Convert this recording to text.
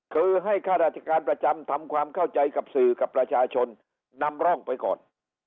คือให้ข้าราชการประจำทำความเข้าใจกับสื่อกับประชาชนนำร่องไปก่อน